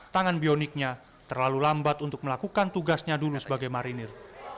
tangan bioniknya terlalu lambat untuk melakukan tugasnya dulu sebagai marinir